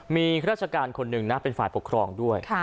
มีข้าราชการคนหนึ่งนะเป็นฝ่ายปกครองด้วย